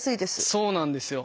そうなんですよ。